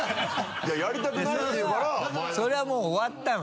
それはもう終わったの。